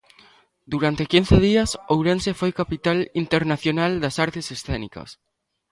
Durante quince días, Ourense foi capital internacional das artes escénicas.